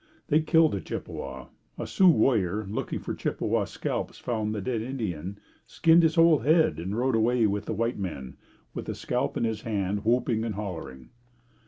They killed a Chippewa. A Sioux warrior, looking for Chippewa scalps found the dead Indian, skinned his whole head and rode away with the white men, with the scalp in his hand, whooping and hollering.